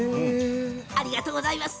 ありがとうございます。